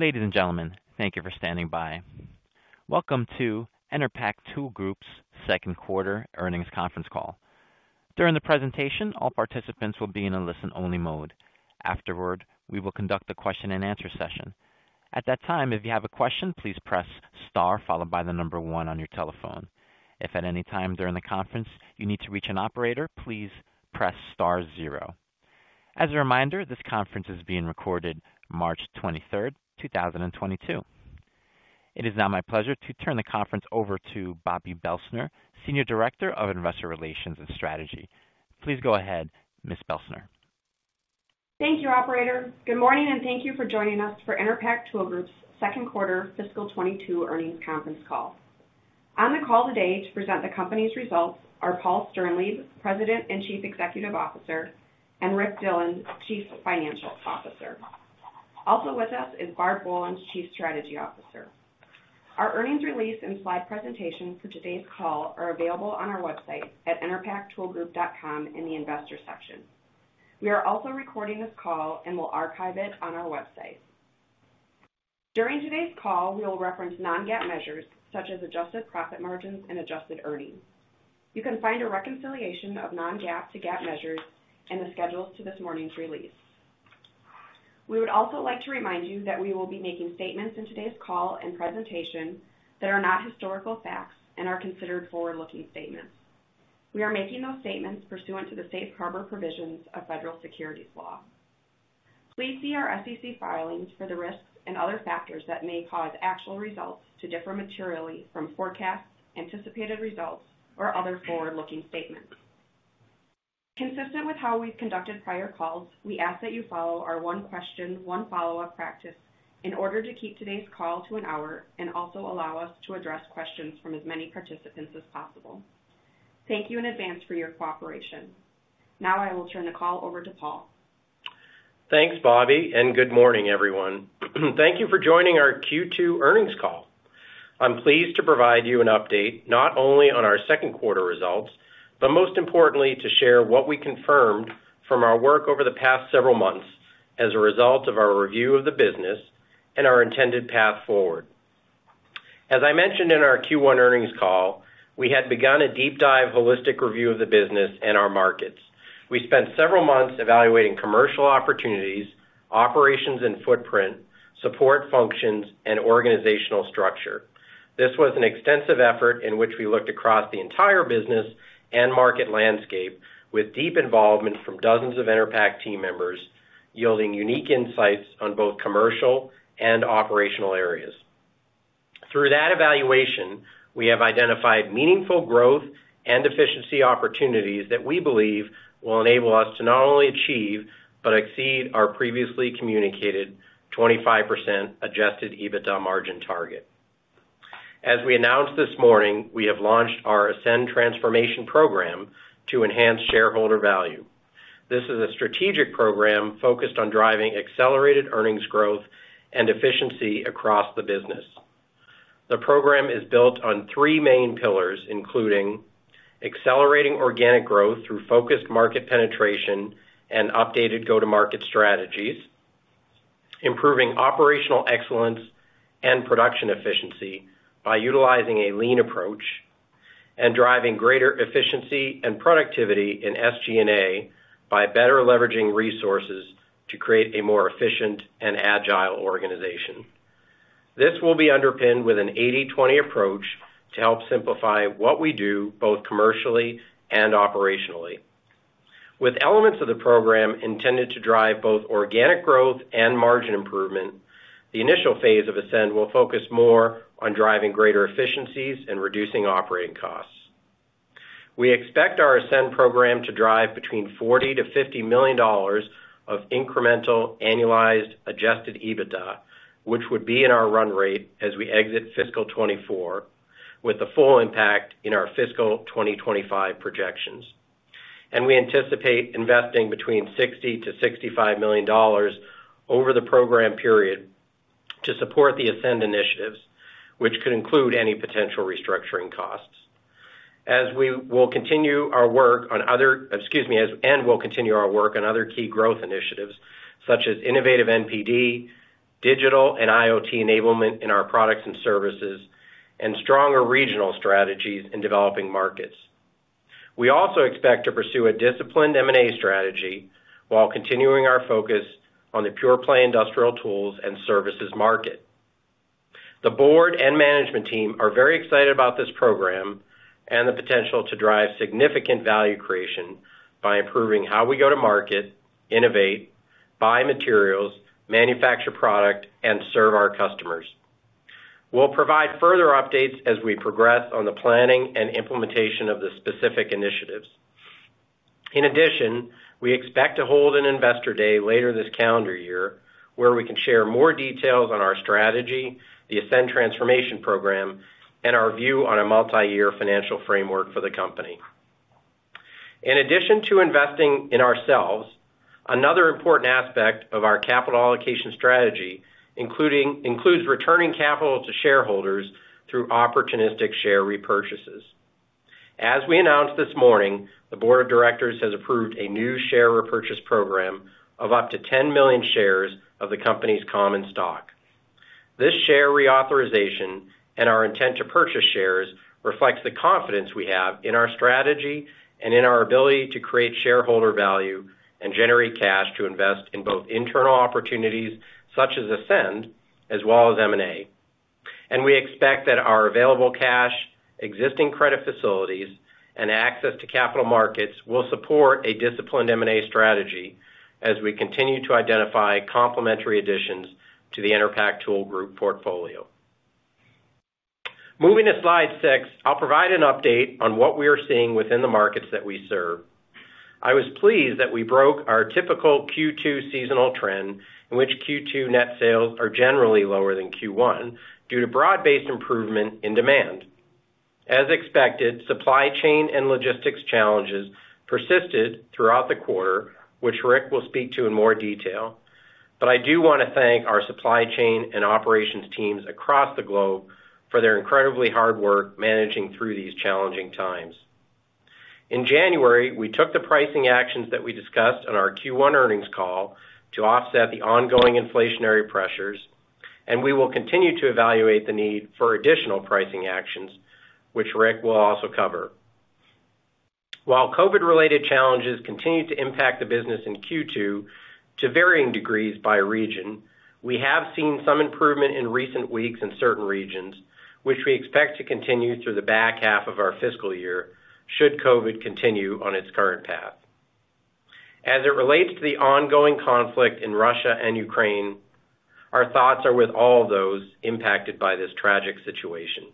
Ladies and gentlemen, thank you for standing by. Welcome to Enerpac Tool Group's second quarter earnings conference call. During the presentation, all participants will be in a listen-only mode. Afterward, we will conduct a question-and-answer session. At that time, if you have a question, please press star followed by the number one on your telephone. If at any time during the conference you need to reach an operator, please press star zero. As a reminder, this conference is being recorded March twenty-third, two thousand and twenty-two. It is now my pleasure to turn the conference over to Bobbi Belstner, Senior Director of Investor Relations and Strategy. Please go ahead, Ms. Belstner. Thank you, operator. Good morning, and thank you for joining us for Enerpac Tool Group's second quarter fiscal 2022 earnings conference call. On the call today to present the company's results are Paul Sternlieb, President and Chief Executive Officer, and Rick Dillon, Chief Financial Officer. Also with us is Barb Bolens, Chief Strategy Officer. Our earnings release and slide presentation for today's call are available on our website at enerpactoolgroup.com in the Investor section. We are also recording this call and will archive it on our website. During today's call, we will reference non-GAAP measures such as adjusted profit margins and adjusted earnings. You can find a reconciliation of non-GAAP to GAAP measures in the schedules to this morning's release. We would also like to remind you that we will be making statements in today's call and presentation that are not historical facts and are considered forward-looking statements. We are making those statements pursuant to the safe harbor provisions of federal securities law. Please see our SEC filings for the risks and other factors that may cause actual results to differ materially from forecasts, anticipated results, or other forward-looking statements. Consistent with how we've conducted prior calls, we ask that you follow our one question, one follow-up practice in order to keep today's call to an hour and also allow us to address questions from as many participants as possible. Thank you in advance for your cooperation. Now I will turn the call over to Paul. Thanks, Bobbi, and good morning, everyone. Thank you for joining our Q2 earnings call. I'm pleased to provide you an update not only on our second quarter results, but most importantly, to share what we confirmed from our work over the past several months as a result of our review of the business and our intended path forward. As I mentioned in our Q1 earnings call, we had begun a deep dive holistic review of the business and our markets. We spent several months evaluating commercial opportunities, operations and footprint, support functions, and organizational structure. This was an extensive effort in which we looked across the entire business and market landscape with deep involvement from dozens of Enerpac team members, yielding unique insights on both commercial and operational areas. Through that evaluation, we have identified meaningful growth and efficiency opportunities that we believe will enable us to not only achieve but exceed our previously communicated 25% adjusted EBITDA margin target. As we announced this morning, we have launched our ASCEND transformation program to enhance shareholder value. This is a strategic program focused on driving accelerated earnings growth and efficiency across the business. The program is built on three main pillars, including accelerating organic growth through focused market penetration and updated go-to-market strategies, improving operational excellence and production efficiency by utilizing a lean approach, and driving greater efficiency and productivity in SG&A by better leveraging resources to create a more efficient and agile organization. This will be underpinned with an 80/20 approach to help simplify what we do, both commercially and operationally. With elements of the program intended to drive both organic growth and margin improvement, the initial phase of ASCEND will focus more on driving greater efficiencies and reducing operating costs. We expect our ASCEND program to drive between $40 million-$50 million of incremental annualized adjusted EBITDA, which would be in our run rate as we exit fiscal 2024, with the full impact in our fiscal 2025 projections. We anticipate investing between $60 million-$65 million over the program period to support the ASCEND initiatives, which could include any potential restructuring costs. We'll continue our work on other key growth initiatives, such as innovative NPD, digital and IoT enablement in our products and services, and stronger regional strategies in developing markets. We also expect to pursue a disciplined M&A strategy while continuing our focus on the pure-play industrial tools and services market. The board and management team are very excited about this program and the potential to drive significant value creation by improving how we go to market, innovate, buy materials, manufacture product, and serve our customers. We'll provide further updates as we progress on the planning and implementation of the specific initiatives. In addition, we expect to hold an investor day later this calendar year, where we can share more details on our strategy, the ASCEND transformation program, and our view on a multi-year financial framework for the company. In addition to investing in ourselves, another important aspect of our capital allocation strategy includes returning capital to shareholders through opportunistic share repurchases. As we announced this morning, the board of directors has approved a new share repurchase program of up to 10 million shares of the company's common stock. This share reauthorization and our intent to purchase shares reflects the confidence we have in our strategy and in our ability to create shareholder value and generate cash to invest in both internal opportunities such as ASCEND, as well as M&A. We expect that our available cash, existing credit facilities, and access to capital markets will support a disciplined M&A strategy as we continue to identify complementary additions to the Enerpac Tool Group portfolio. Moving to slide six, I'll provide an update on what we are seeing within the markets that we serve. I was pleased that we broke our typical Q2 seasonal trend, in which Q2 net sales are generally lower than Q1 due to broad-based improvement in demand. As expected, supply chain and logistics challenges persisted throughout the quarter, which Rick will speak to in more detail. I do wanna thank our supply chain and operations teams across the globe for their incredibly hard work managing through these challenging times. In January, we took the pricing actions that we discussed on our Q1 earnings call to offset the ongoing inflationary pressures, and we will continue to evaluate the need for additional pricing actions, which Rick will also cover. While COVID-related challenges continued to impact the business in Q2 to varying degrees by region, we have seen some improvement in recent weeks in certain regions, which we expect to continue through the back half of our fiscal year should COVID continue on its current path. As it relates to the ongoing conflict in Russia and Ukraine, our thoughts are with all those impacted by this tragic situation.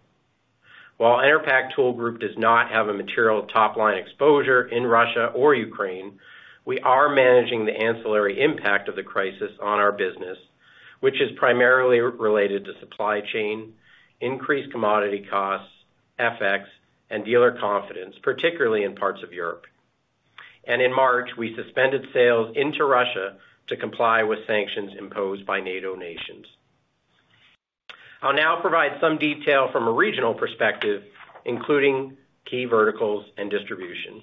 While Enerpac Tool Group does not have a material top-line exposure in Russia or Ukraine, we are managing the ancillary impact of the crisis on our business, which is primarily related to supply chain, increased commodity costs, FX, and dealer confidence, particularly in parts of Europe. In March, we suspended sales into Russia to comply with sanctions imposed by NATO nations. I'll now provide some detail from a regional perspective, including key verticals and distribution.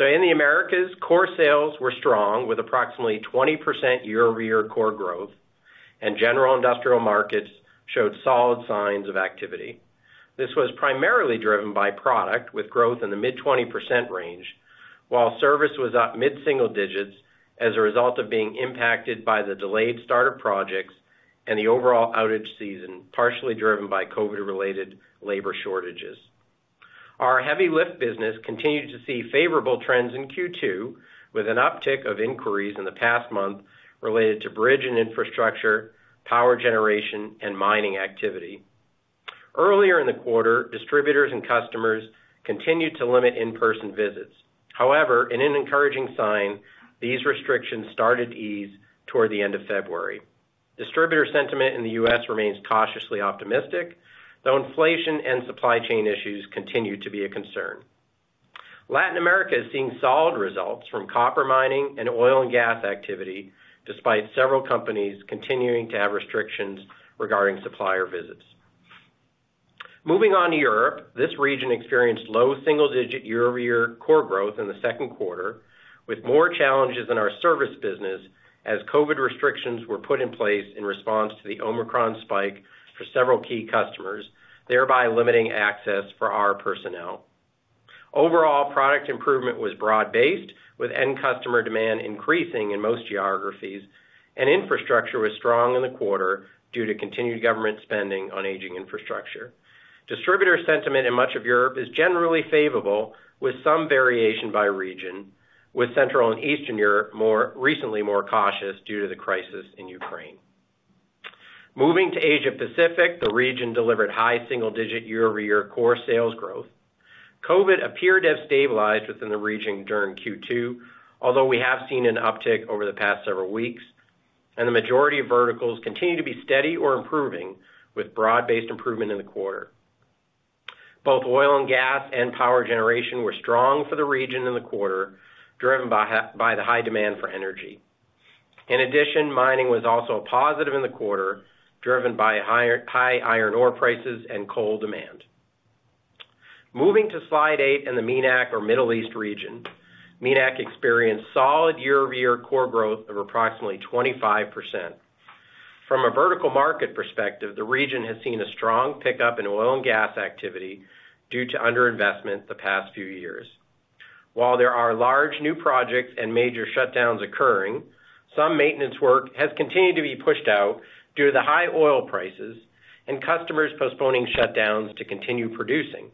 In the Americas, core sales were strong with approximately 20% year-over-year core growth, and general industrial markets showed solid signs of activity. This was primarily driven by product with growth in the mid-20% range, while service was up mid-single digits as a result of being impacted by the delayed start of projects and the overall outage season, partially driven by COVID-related labor shortages. Our heavy lift business continued to see favorable trends in Q2 with an uptick of inquiries in the past month related to bridge and infrastructure, power generation, and mining activity. Earlier in the quarter, distributors and customers continued to limit in-person visits. However, in an encouraging sign, these restrictions started to ease toward the end of February. Distributor sentiment in the U.S. remains cautiously optimistic, though inflation and supply chain issues continue to be a concern. Latin America is seeing solid results from copper mining and oil and gas activity, despite several companies continuing to have restrictions regarding supplier visits. Moving on to Europe, this region experienced low single-digit year-over-year core growth in the second quarter, with more challenges in our service business as COVID restrictions were put in place in response to the Omicron spike for several key customers, thereby limiting access for our personnel. Overall, product improvement was broad-based, with end customer demand increasing in most geographies, and infrastructure was strong in the quarter due to continued government spending on aging infrastructure. Distributor sentiment in much of Europe is generally favorable with some variation by region, with Central and Eastern Europe more recently more cautious due to the crisis in Ukraine. Moving to Asia Pacific, the region delivered high single digit year-over-year core sales growth. COVID appeared to have stabilized within the region during Q2, although we have seen an uptick over the past several weeks, and the majority of verticals continue to be steady or improving with broad-based improvement in the quarter. Both oil and gas and power generation were strong for the region in the quarter, driven by the high demand for energy. In addition, mining was also positive in the quarter, driven by high iron ore prices and coal demand. Moving to slide eight in the MENAC or Middle East region. MENAC experienced solid year-over-year core growth of approximately 25%. From a vertical market perspective, the region has seen a strong pickup in oil and gas activity due to underinvestment in the past few years. While there are large new projects and major shutdowns occurring, some maintenance work has continued to be pushed out due to the high oil prices and customers postponing shutdowns to continue producing.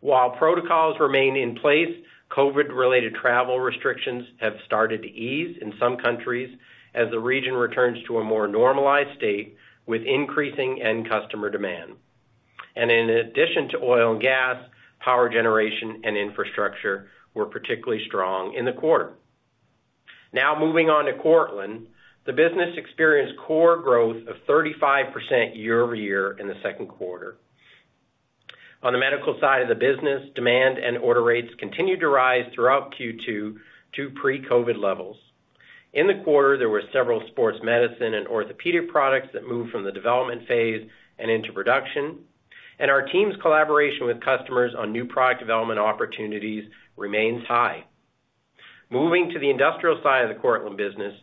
While protocols remain in place, COVID-related travel restrictions have started to ease in some countries as the region returns to a more normalized state with increasing end customer demand. In addition to oil and gas, power generation and infrastructure were particularly strong in the quarter. Now moving on to Cortland. The business experienced core growth of 35% year-over-year in the second quarter. On the medical side of the business, demand and order rates continued to rise throughout Q2 to pre-COVID levels. In the quarter, there were several sports medicine and orthopedic products that moved from the development phase and into production. Our team's collaboration with customers on new product development opportunities remains high. Moving to the industrial side of the Cortland business,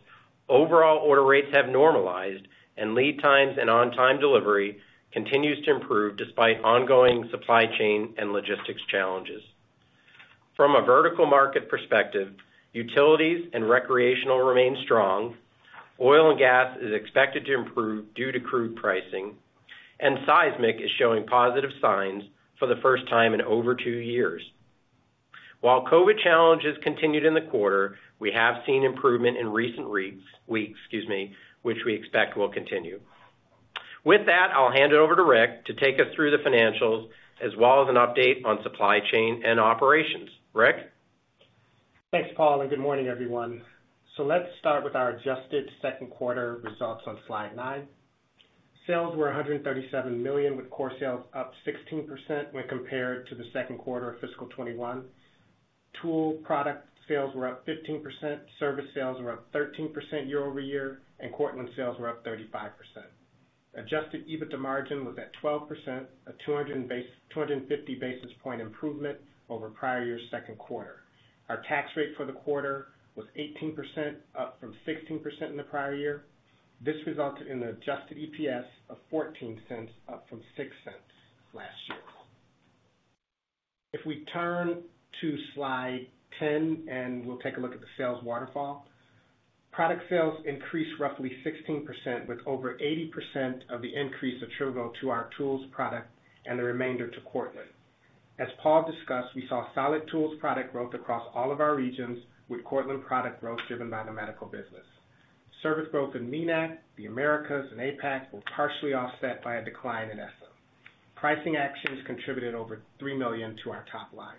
overall order rates have normalized and lead times and on-time delivery continues to improve despite ongoing supply chain and logistics challenges. From a vertical market perspective, utilities and recreational remain strong. Oil and gas is expected to improve due to crude pricing, and seismic is showing positive signs for the first time in over two years. While COVID challenges continued in the quarter, we have seen improvement in recent weeks, excuse me, which we expect will continue. With that, I'll hand it over to Rick to take us through the financials as well as an update on supply chain and operations. Rick? Thanks, Paul, and good morning, everyone. Let's start with our adjusted second quarter results on slide nine. Sales were $137 million, with core sales up 16% when compared to the second quarter of fiscal 2021. Tool product sales were up 15%, service sales were up 13% year-over-year, and Cortland sales were up 35%. Adjusted EBITDA margin was at 12%, a 250 basis point improvement over prior year's second quarter. Our tax rate for the quarter was 18%, up from 16% in the prior year. This resulted in an adjusted EPS of $0.14, up from $0.06 last year. If we turn to slide 10, and we'll take a look at the sales waterfall. Product sales increased roughly 16%, with over 80% of the increase attributable to our tools product and the remainder to Cortland. As Paul discussed, we saw solid tools product growth across all of our regions, with Cortland product growth driven by the medical business. Service growth in MENAC, the Americas, and APAC were partially offset by a decline in ESSA. Pricing actions contributed over $3 million to our top line.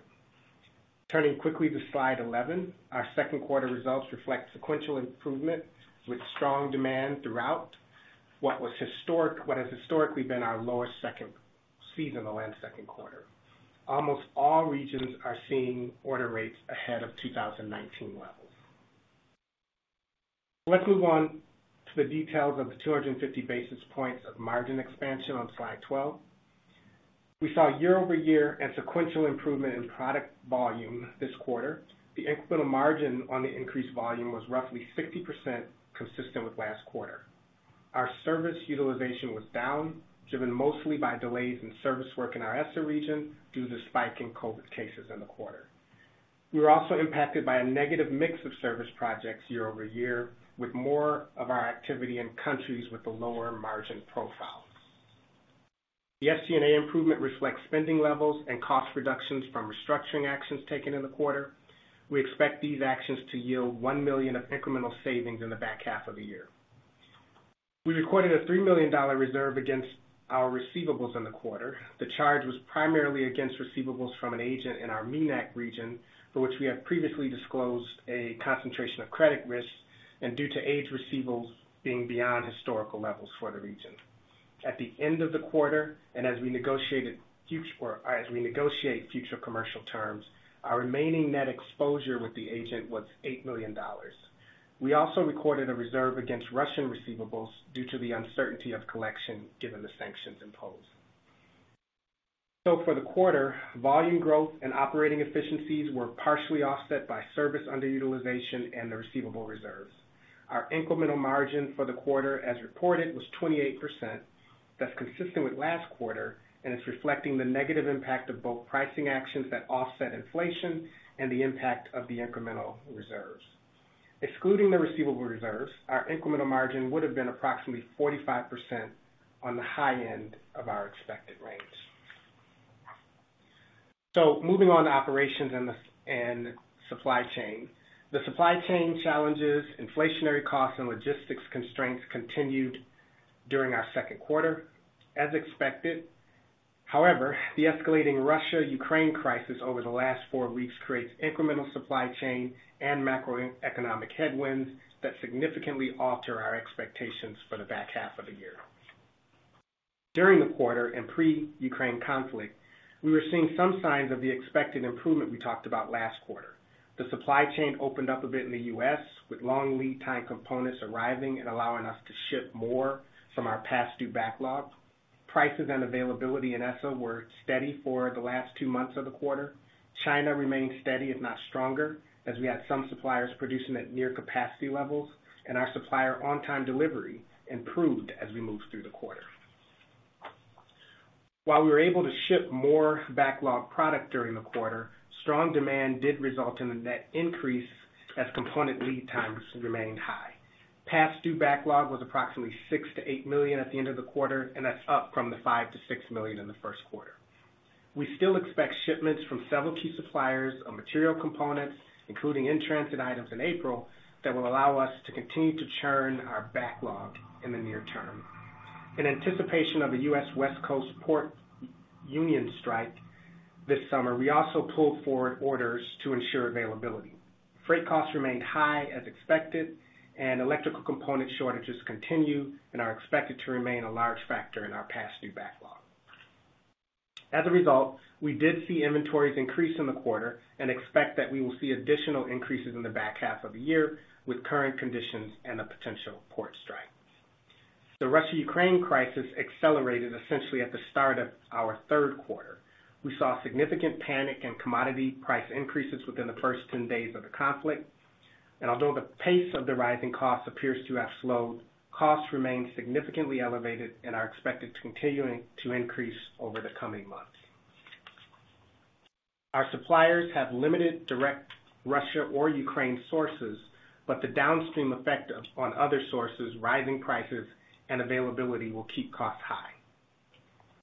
Turning quickly to slide 11. Our second quarter results reflect sequential improvement with strong demand throughout what has historically been our lowest seasonal second quarter. Almost all regions are seeing order rates ahead of 2019 levels. Let's move on to the details of the 250 basis points of margin expansion on slide 12. We saw year-over-year and sequential improvement in product volume this quarter. The incremental margin on the increased volume was roughly 60% consistent with last quarter. Our service utilization was down, driven mostly by delays in service work in our ESSA region due to spike in COVID cases in the quarter. We were also impacted by a negative mix of service projects year-over-year, with more of our activity in countries with a lower margin profile. The SG&A improvement reflects spending levels and cost reductions from restructuring actions taken in the quarter. We expect these actions to yield $1 million of incremental savings in the back half of the year. We recorded a $3 million reserve against our receivables in the quarter. The charge was primarily against receivables from an agent in our MENAC region, for which we have previously disclosed a concentration of credit risks and due to age receivables being beyond historical levels for the region. At the end of the quarter, and as we negotiate future commercial terms, our remaining net exposure with the agent was $8 million. We also recorded a reserve against Russian receivables due to the uncertainty of collection given the sanctions imposed. For the quarter, volume growth and operating efficiencies were partially offset by service underutilization and the receivable reserves. Our incremental margin for the quarter, as reported, was 28%. That's consistent with last quarter, and it's reflecting the negative impact of both pricing actions that offset inflation and the impact of the incremental reserves. Excluding the receivable reserves, our incremental margin would have been approximately 45% on the high end of our expected range. Moving on to operations and supply chain. The supply chain challenges, inflationary costs, and logistics constraints continued during our second quarter, as expected. However, the escalating Russia-Ukraine crisis over the last four weeks creates incremental supply chain and macroeconomic headwinds that significantly alter our expectations for the back half of the year. During the quarter and pre-Ukraine conflict, we were seeing some signs of the expected improvement we talked about last quarter. The supply chain opened up a bit in the U.S., with long lead time components arriving and allowing us to ship more from our past due backlog. Prices and availability in ESSA were steady for the last two months of the quarter. China remained steady, if not stronger, as we had some suppliers producing at near capacity levels, and our supplier on-time delivery improved as we moved through the quarter. While we were able to ship more backlog product during the quarter, strong demand did result in a net increase as component lead times remained high. Past due backlog was approximately $6 million-$8 million at the end of the quarter, and that's up from the $5 million-$6 million in the first quarter. We still expect shipments from several key suppliers of material components, including in-transit items in April, that will allow us to continue to churn our backlog in the near term. In anticipation of the International Longshore and Warehouse Union strike this summer, we also pulled forward orders to ensure availability. Freight costs remained high as expected, and electrical component shortages continue and are expected to remain a large factor in our past due backlog. As a result, we did see inventories increase in the quarter and expect that we will see additional increases in the back half of the year with current conditions and a potential port strike. The Russia-Ukraine crisis accelerated essentially at the start of our third quarter. We saw significant panic and commodity price increases within the first 10 days of the conflict. Although the pace of the rising costs appears to have slowed, costs remain significantly elevated and are expected to continue to increase over the coming months. Our suppliers have limited direct Russia or Ukraine sources, but the downstream effect on other sources, rising prices and availability will keep costs high.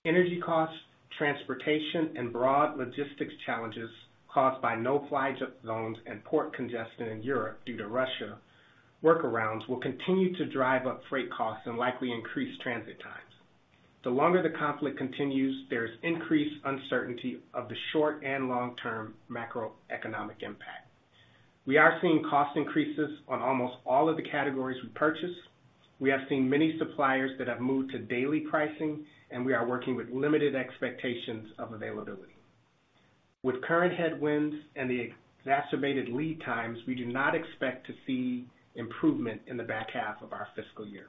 Energy costs, transportation, and broad logistics challenges caused by no-fly zones and port congestion in Europe due to Russia workarounds will continue to drive up freight costs and likely increase transit times. The longer the conflict continues, there is increased uncertainty of the short and long-term macroeconomic impact. We are seeing cost increases on almost all of the categories we purchase. We have seen many suppliers that have moved to daily pricing, and we are working with limited expectations of availability. With current headwinds and the exacerbated lead times, we do not expect to see improvement in the back half of our fiscal year.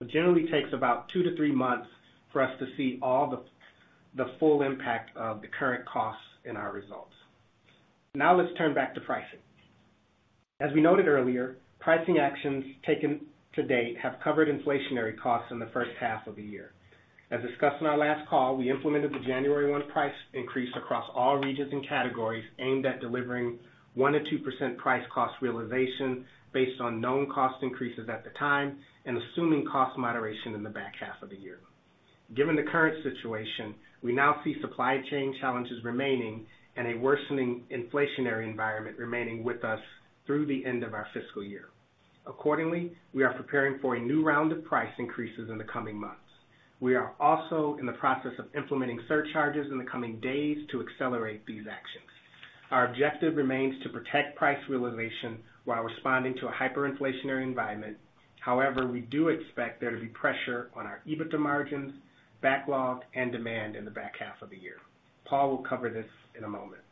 It generally takes about two to three months for us to see all the full impact of the current costs in our results. Now let's turn back to pricing. As we noted earlier, pricing actions taken to date have covered inflationary costs in the first half of the year. As discussed on our last call, we implemented the January 1 price increase across all regions and categories aimed at delivering 1%-2% price cost realization based on known cost increases at the time and assuming cost moderation in the back half of the year. Given the current situation, we now see supply chain challenges remaining and a worsening inflationary environment remaining with us through the end of our fiscal year. Accordingly, we are preparing for a new round of price increases in the coming months. We are also in the process of implementing surcharges in the coming days to accelerate these actions. Our objective remains to protect price realization while responding to a hyperinflationary environment. However, we do expect there to be pressure on our EBITDA margins, backlog, and demand in the back half of the year. Paul will cover this in a moment.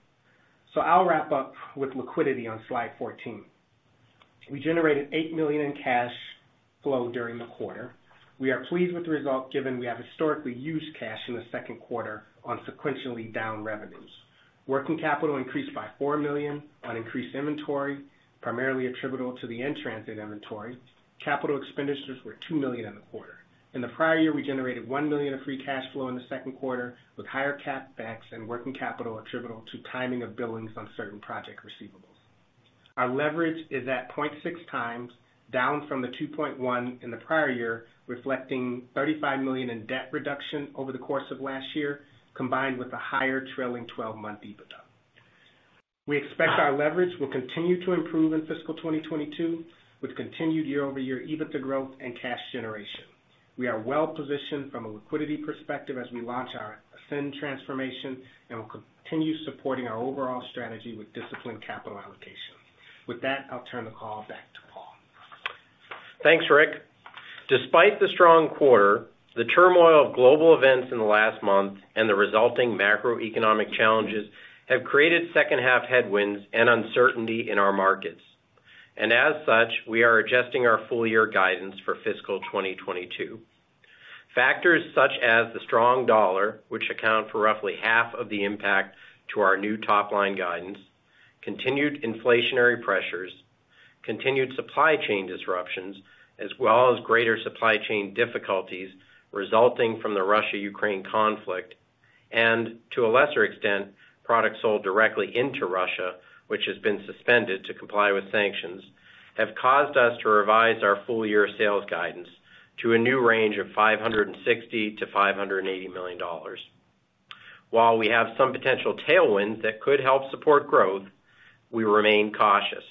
I'll wrap up with liquidity on slide 14. We generated $8 million in cash flow during the quarter. We are pleased with the result given we have historically used cash in the second quarter on sequentially down revenues. Working capital increased by $4 million on increased inventory, primarily attributable to the in-transit inventory. Capital expenditures were $2 million in the quarter. In the prior year, we generated $1 million of free cash flow in the second quarter, with higher CapEx and working capital attributable to timing of billings on certain project receivables. Our leverage is at 0.6x, down from the 2.1 in the prior year, reflecting $35 million in debt reduction over the course of last year, combined with a higher trailing 12 month EBITDA. We expect our leverage will continue to improve in fiscal 2022, with continued year-over-year EBITDA growth and cash generation. We are well positioned from a liquidity perspective as we launch our ASCEND transformation, and we'll continue supporting our overall strategy with disciplined capital allocation. With that, I'll turn the call back to Paul. Thanks, Rick. Despite the strong quarter, the turmoil of global events in the last month and the resulting macroeconomic challenges have created second half headwinds and uncertainty in our markets. As such, we are adjusting our full year guidance for fiscal 2022. Factors such as the strong dollar, which account for roughly half of the impact to our new top-line guidance, continued inflationary pressures, continued supply chain disruptions, as well as greater supply chain difficulties resulting from the Russia-Ukraine conflict, and to a lesser extent, products sold directly into Russia, which has been suspended to comply with sanctions, have caused us to revise our full year sales guidance to a new range of $560 million-$580 million. While we have some potential tailwinds that could help support growth, we remain cautious.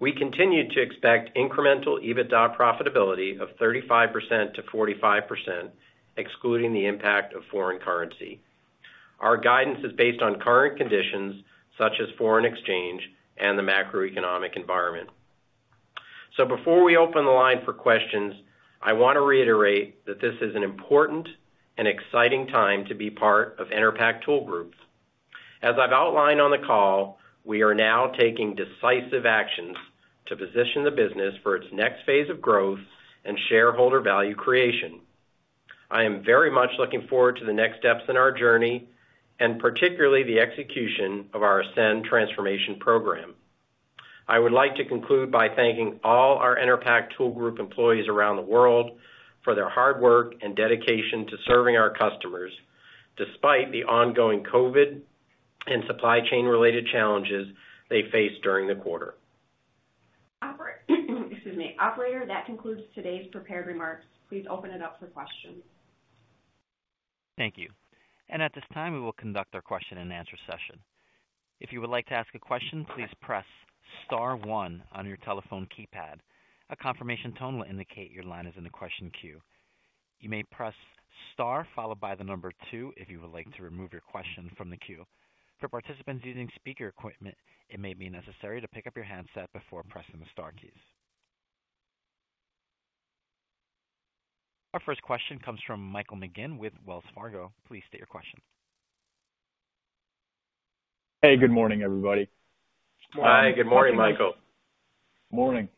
We continue to expect incremental EBITDA profitability of 35%-45%, excluding the impact of foreign currency. Our guidance is based on current conditions such as foreign exchange and the macroeconomic environment. Before we open the line for questions, I wanna reiterate that this is an important and exciting time to be part of Enerpac Tool Group. As I've outlined on the call, we are now taking decisive actions to position the business for its next phase of growth and shareholder value creation. I am very much looking forward to the next steps in our journey, and particularly the execution of our ASCEND transformation program. I would like to conclude by thanking all our Enerpac Tool Group employees around the world for their hard work and dedication to serving our customers despite the ongoing COVID and supply chain related challenges they faced during the quarter. Excuse me. Operator, that concludes today's prepared remarks. Please open it up for questions. Thank you. And at this time, we will conduct our question and answer session. If you would like to ask a question, please press star one on your telephone keypad. A confirmation tone will indicate your line is in the question queue. You may press Star followed by the number two if you would like to remove your question from the queue. For participants using speaker equipment, it may be necessary to pick up your handset before pressing the star keys. Our first question comes from Michael McGinn with Wells Fargo. Please state your question. Hey, good morning, everybody. Hi, good morning, Michael. Morning.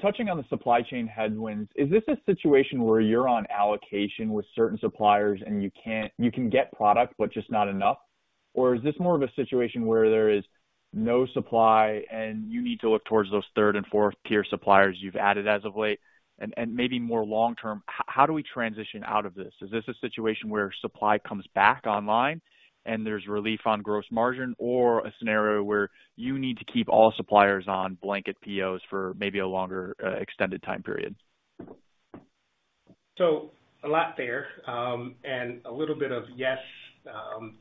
Touching on the supply chain headwinds, is this a situation where you're on allocation with certain suppliers and you can get product, but just not enough? Or is this more of a situation where there is no supply and you need to look towards those third and fourth tier suppliers you've added as of late? And maybe more long term, how do we transition out of this? Is this a situation where supply comes back online and there's relief on gross margin or a scenario where you need to keep all suppliers on blanket POs for maybe a longer, extended time period? A lot there, and a little bit of yes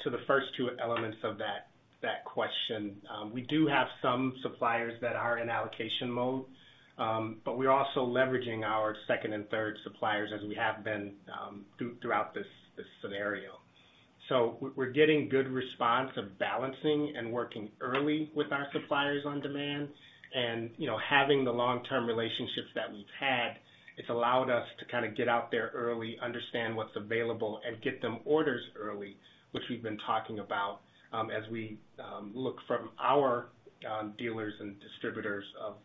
to the first two elements of that question. We do have some suppliers that are in allocation mode, but we're also leveraging our second and third suppliers as we have been throughout this scenario. We're getting good response of balancing and working early with our suppliers on demand. You know, having the long-term relationships that we've had, it's allowed us to kind of get out there early, understand what's available and get them orders early, which we've been talking about as we look from our dealers and distributors of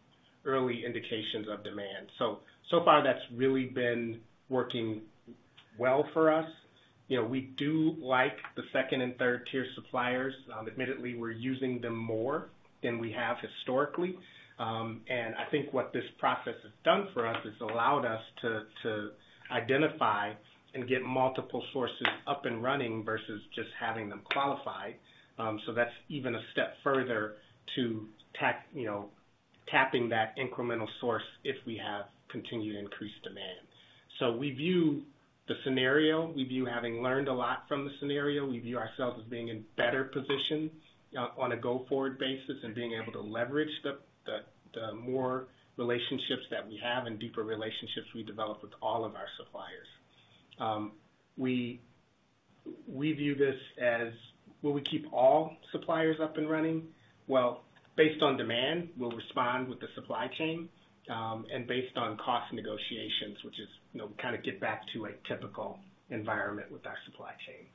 early indications of demand. So far, that's really been working well for us. You know, we do like the second and third tier suppliers. Admittedly, we're using them more than we have historically. I think what this process has done for us is allowed us to identify and get multiple sources up and running versus just having them qualify. That's even a step further to you know, tapping that incremental source if we have continued increased demand. We view the scenario, we view having learned a lot from the scenario, we view ourselves as being in better position on a go-forward basis and being able to leverage the more relationships that we have and deeper relationships we develop with all of our suppliers. We view this as, will we keep all suppliers up and running? Well, based on demand, we'll respond with the supply chain, and based on cost negotiations, which is, you know, kind of get back to a typical environment with our supply chain.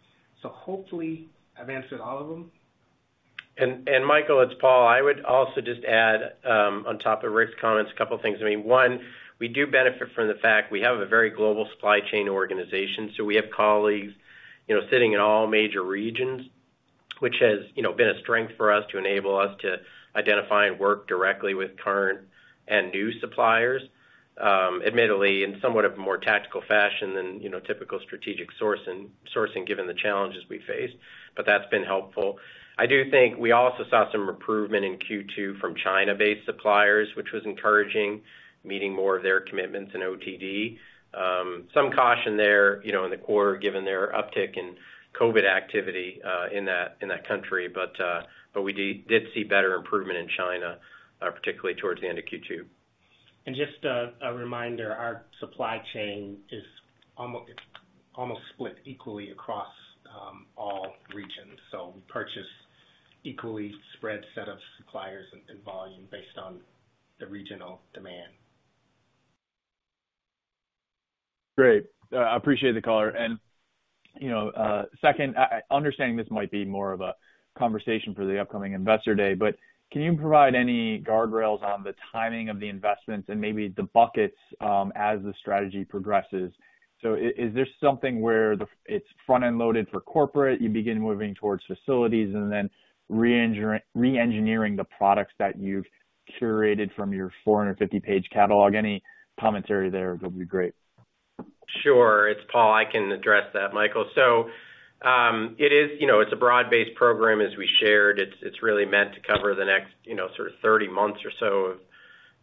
Hopefully I've answered all of them. Michael, it's Paul. I would also just add, on top of Rick's comments, a couple of things. I mean, one, we do benefit from the fact we have a very global supply chain organization. So we have colleagues, you know, sitting in all major regions, which has, you know, been a strength for us to enable us to identify and work directly with current and new suppliers. Admittedly in somewhat of a more tactical fashion than, you know, typical strategic sourcing given the challenges we faced, but that's been helpful. I do think we also saw some improvement in Q2 from China-based suppliers, which was encouraging, meeting more of their commitments in OTD. Some caution there, you know, in the quarter, given their uptick in COVID activity in that country. We did see better improvement in China, particularly towards the end of Q2. Just a reminder, our supply chain is almost split equally across all regions. We purchase equally spread set of suppliers and volume based on the regional demand. I appreciate the color. Second, understanding this might be more of a conversation for the upcoming Investor Day, but can you provide any guardrails on the timing of the investments and maybe the buckets as the strategy progresses? Is there something where it's front-end loaded for corporate, you begin moving towards facilities and then re-engineering the products that you've curated from your 450-page catalog? Any commentary there would be great. Sure. It's Paul. I can address that, Michael. It is, you know, it's a broad-based program as we shared. It's really meant to cover the next, you know, sort of 30 months or so of,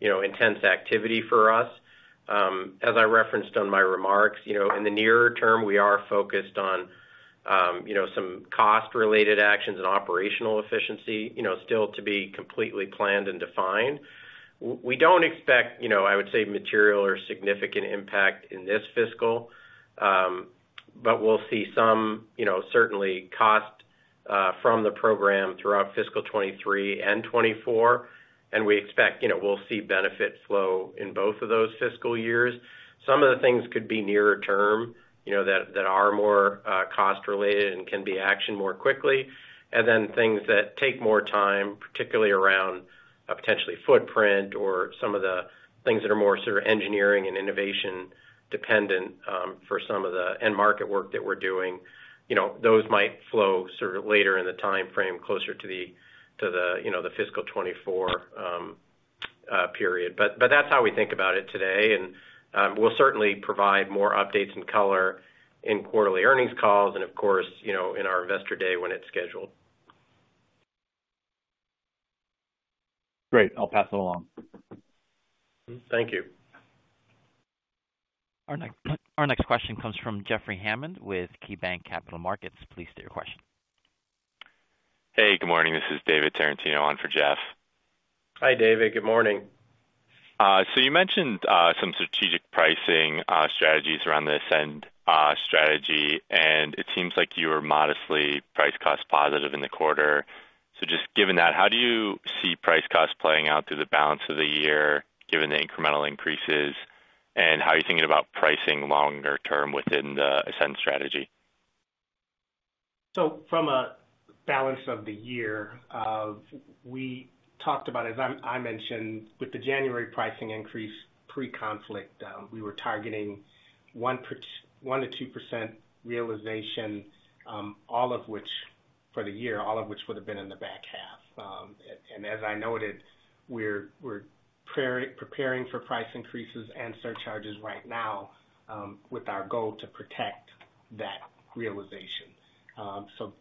you know, intense activity for us. As I referenced on my remarks, you know, in the nearer term, we are focused on, you know, some cost related actions and operational efficiency, you know, still to be completely planned and defined. We don't expect, you know, I would say material or significant impact in this fiscal. But we'll see some, you know, certainly cost from the program throughout fiscal 2023 and 2024. We expect, you know, we'll see benefits flow in both of those fiscal years. Some of the things could be nearer term, you know, that are more cost related and can be actioned more quickly. Then things that take more time, particularly around potentially footprint or some of the things that are more sort of engineering and innovation dependent, for some of the end market work that we're doing. You know, those might flow sort of later in the timeframe closer to the, you know, the fiscal 2024 period. That's how we think about it today. We'll certainly provide more updates and color in quarterly earnings calls and of course, you know, in our Investor Day when it's scheduled. Great. I'll pass it along. Thank you. Our next question comes from Jeffrey Hammond with KeyBanc Capital Markets. Please state your question. Hey, good morning. This is David Tarantino on for Jeff. Hi, David. Good morning. You mentioned some strategic pricing strategies around the ASCEND strategy, and it seems like you were modestly price cost positive in the quarter. Just given that, how do you see price cost playing out through the balance of the year given the incremental increases? How are you thinking about pricing longer term within the ASCEND strategy? From a balance of the year, we talked about, as I mentioned, with the January pricing increase pre-conflict, we were targeting 1%-2% realization, all of which for the year would have been in the back half. And as I noted, we're preparing for price increases and surcharges right now, with our goal to protect that realization.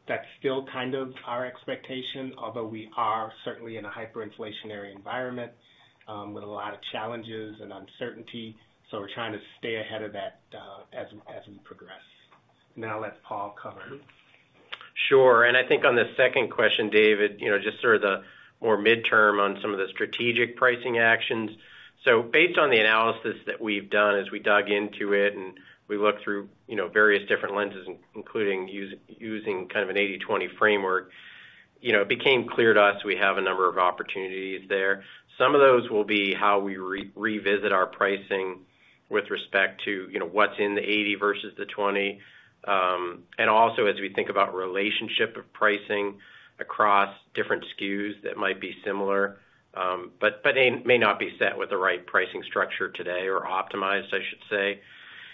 That's still kind of our expectation, although we are certainly in a hyperinflationary environment, with a lot of challenges and uncertainty. We're trying to stay ahead of that, as we progress. I'll let Paul cover. Sure. I think on the second question, David, you know, just sort of the more midterm on some of the strategic pricing actions. Based on the analysis that we've done as we dug into it, and we looked through, you know, various different lenses, including using kind of an 80/20 framework, you know, it became clear to us we have a number of opportunities there. Some of those will be how we revisit our pricing with respect to, you know, what's in the 80 versus the 20. And also as we think about relationship of pricing across different SKUs that might be similar, but they may not be set with the right pricing structure today or optimized, I should say.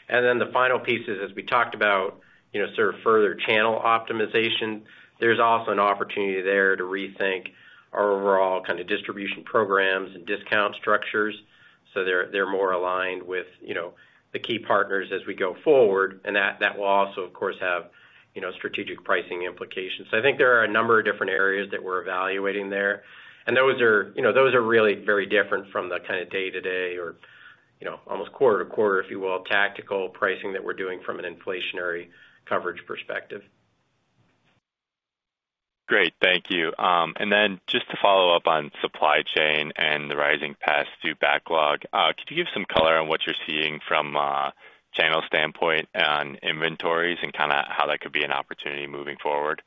Then the final piece is, as we talked about, you know, sort of further channel optimization. There's also an opportunity there to rethink our overall kind of distribution programs and discount structures so they're more aligned with, you know, the key partners as we go forward. That will also, of course, have, you know, strategic pricing implications. I think there are a number of different areas that we're evaluating there. Those are, you know, really very different from the kind of day-to-day or, you know, almost quarter to quarter, if you will, tactical pricing that we're doing from an inflationary coverage perspective. Great. Thank you. Just to follow up on supply chain and the rising pass through backlog, could you give some color on what you're seeing from a channel standpoint on inventories and kinda how that could be an opportunity moving forward?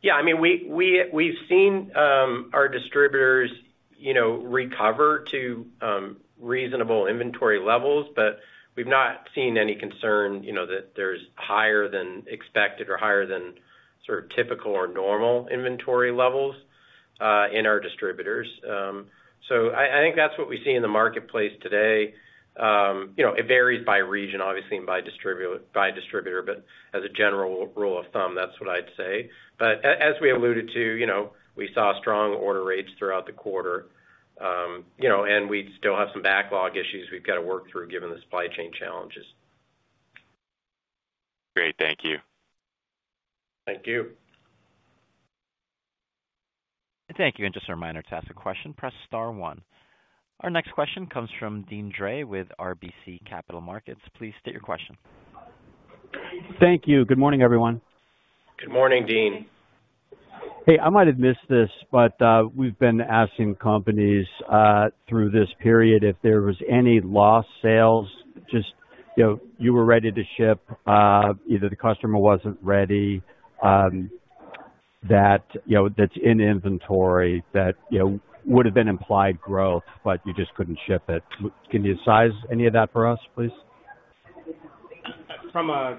Yeah. I mean, we've seen our distributors, you know, recover to reasonable inventory levels, but we've not seen any concern, you know, that there's higher than expected or higher than sort of typical or normal inventory levels in our distributors. I think that's what we see in the marketplace today. You know, it varies by region, obviously, and by distributor. As a general rule of thumb, that's what I'd say. As we alluded to, you know, we saw strong order rates throughout the quarter. We still have some backlog issues we've got to work through given the supply chain challenges. Great. Thank you. Thank you. Thank you. Just a reminder, to ask a question, press star one. Our next question comes from Deane Dray with RBC Capital Markets. Please state your question. Thank you. Good morning, everyone. Good morning, Deane. Hey, I might have missed this, but we've been asking companies through this period if there was any lost sales, just, you know, you were ready to ship, either the customer wasn't ready, that, you know, that's in inventory that, you know, would have been implied growth, but you just couldn't ship it. Can you size any of that for us, please? From a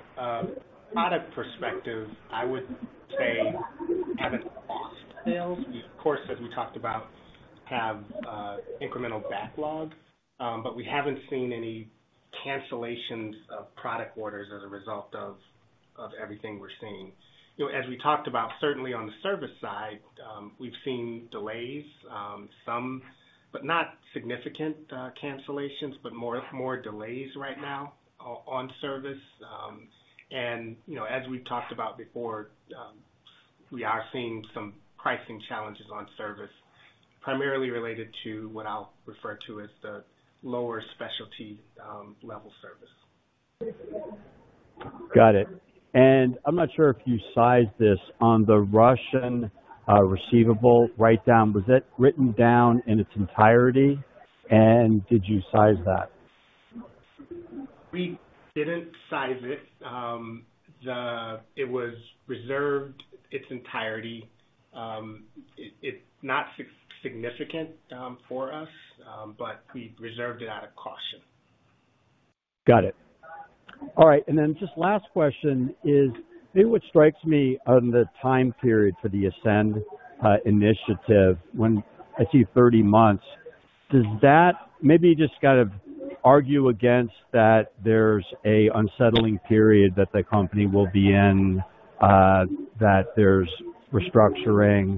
product perspective, I would say we haven't lost sales. We, of course, as we talked about, have incremental backlog. But we haven't seen any cancellations of product orders as a result of everything we're seeing. You know, as we talked about, certainly on the service side, we've seen delays, some but not significant cancellations, but more delays right now on service. You know, as we've talked about before, we are seeing some pricing challenges on service, primarily related to what I'll refer to as the lower specialty level service. Got it. I'm not sure if you sized this. On the Russian receivable write-down, was it written down in its entirety? And did you size that? We didn't size it. It was reserved in its entirety. It's not significant for us, but we reserved it out of caution. Got it. All right. Just last question is, I think what strikes me on the time period for the ASCEND initiative when I see 30 months, does that maybe just kind of argue against that there's an unsettling period that the company will be in, that there's restructuring,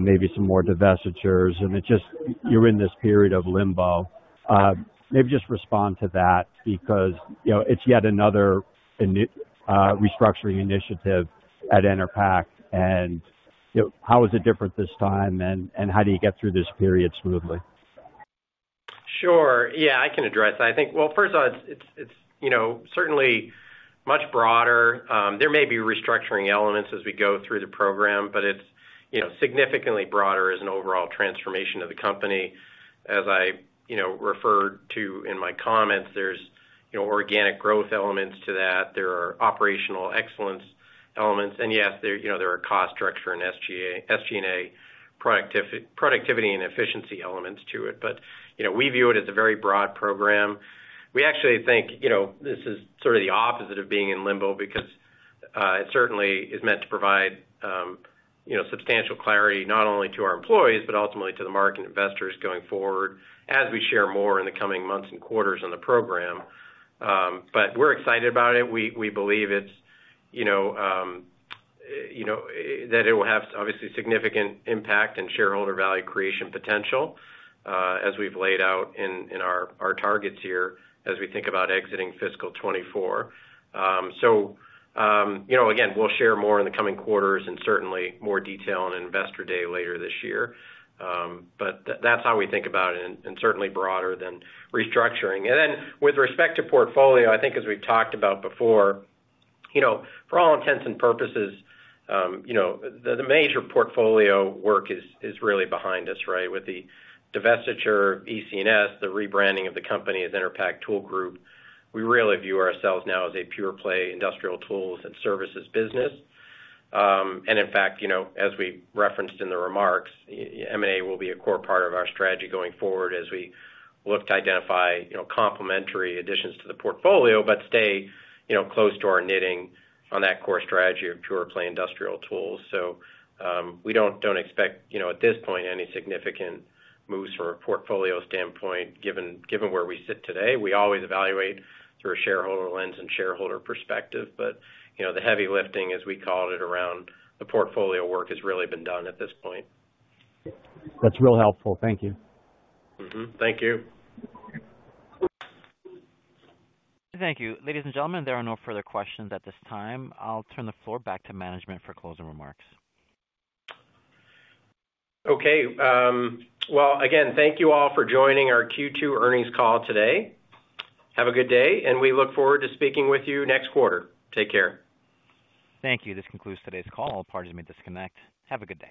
maybe some more divestitures and you're in this period of limbo? Maybe just respond to that because, you know, it's yet another restructuring initiative at Enerpac, and, you know, how is it different this time and how do you get through this period smoothly? Sure. Yeah, I can address that. I think, well, first of all, it's you know, certainly much broader. There may be restructuring elements as we go through the program, but it's you know, significantly broader as an overall transformation of the company. As I you know, referred to in my comments, there's you know, organic growth elements to that. There are operational excellence elements. Yes, there you know, there are cost structure and SG&A productivity and efficiency elements to it. But you know, we view it as a very broad program. We actually think you know, this is sort of the opposite of being in limbo because it certainly is meant to provide you know, substantial clarity not only to our employees but ultimately to the market investors going forward as we share more in the coming months and quarters on the program. We're excited about it. We believe it's, you know, that it will have obviously significant impact and shareholder value creation potential, as we've laid out in our targets here as we think about exiting fiscal 2024. Again, we'll share more in the coming quarters and certainly more detail on Investor Day later this year. That's how we think about it and certainly broader than restructuring. With respect to portfolio, I think as we've talked about before, you know, for all intents and purposes, the major portfolio work is really behind us, right? With the divestiture of EC&S, the rebranding of the company as Enerpac Tool Group, we really view ourselves now as a pure play industrial tools and services business. In fact, you know, as we referenced in the remarks, M&A will be a core part of our strategy going forward as we look to identify, you know, complementary additions to the portfolio, but stay, you know, close to our knitting on that core strategy of pure play industrial tools. We don't expect, you know, at this point, any significant moves from a portfolio standpoint, given where we sit today. We always evaluate through a shareholder lens and shareholder perspective, but, you know, the heavy lifting, as we called it, around the portfolio work has really been done at this point. That's real helpful. Thank you. Thank you. Thank you. Ladies and gentlemen, there are no further questions at this time. I'll turn the floor back to management for closing remarks. Okay. Well, again, thank you all for joining our Q2 earnings call today. Have a good day, and we look forward to speaking with you next quarter. Take care. Thank you. This concludes today's call. All parties may disconnect. Have a good day.